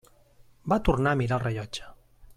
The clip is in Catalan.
Va tornar a mirar el rellotge.